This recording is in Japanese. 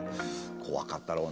こわかったろうな。